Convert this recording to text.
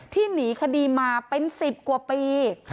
หนีคดีมาเป็น๑๐กว่าปี